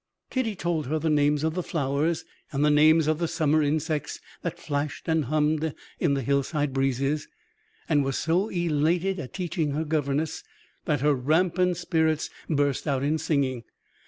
Kitty told her the names of the flowers, and the names of the summer insects that flashed and hummed in the hillside breezes; and was so elated at teaching her governess that her rampant spirits burst out in singing.